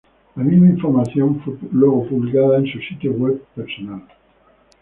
La misma información fue luego publicada en su sitio web personal.